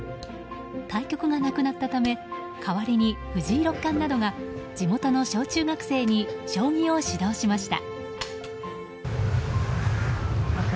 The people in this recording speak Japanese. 対局がなくなったため代わりに藤井六冠などが地元の小中学生に将棋を指導しました。